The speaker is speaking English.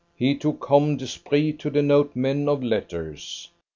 He took hommes d'esprit to denote men of letters.